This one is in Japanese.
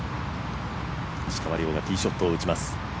石川遼がティーショットを打ちます。